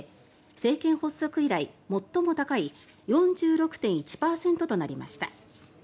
政権発足以来最も高い４６．１％となりました。